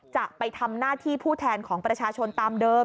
จะไปทำหน้าที่ผู้แทนของประชาชนตามเดิม